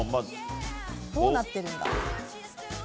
どうなっているんだ。